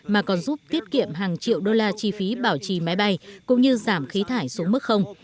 mà còn giúp tiết kiệm hàng triệu đô la chi phí bảo trì máy bay cũng như giảm khí thải xuống mức